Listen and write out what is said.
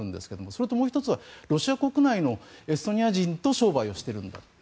それともう１つはロシア国内のエストニア人と商売をしているんだと。